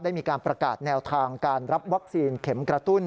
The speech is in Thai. มีการประกาศแนวทางการรับวัคซีนเข็มกระตุ้น